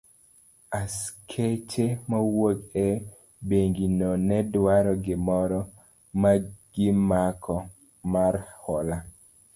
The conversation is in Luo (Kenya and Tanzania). Askeche mawuok e bengi no ne dwaro gimoro magimako mar hola.